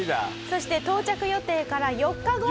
そして到着予定から４日後。